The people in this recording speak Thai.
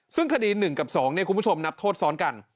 ซึ่งคดี๑กับ๒คุณผู้ชมนับโทษซ้อนกัน